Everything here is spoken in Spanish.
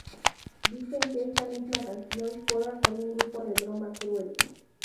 Dicen que esta misma canción juega con un grupo de broma cruel.